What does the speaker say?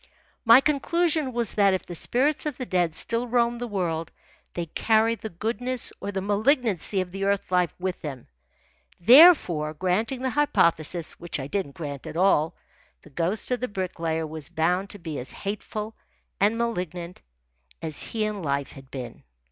My conclusion was that if the spirits of the dead still roamed the world they carried the goodness or the malignancy of the earth life with them. Therefore, granting the hypothesis (which I didn't grant at all), the ghost of the Bricklayer was bound to be as hateful and malignant as he in life had been.